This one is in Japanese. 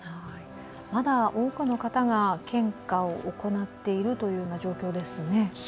まだ多くの方が献花を行っているというような状況ですね。